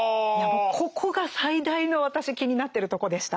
ここが最大の私気になってるとこでした。